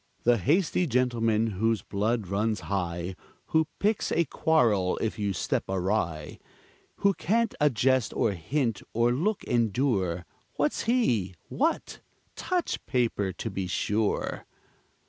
The hasty gentleman, whose blood runs high, Who picks a quarrel if you step awry, Who can't a jest, or hint, or look endure, What's he? What? Touch paper, to be sure.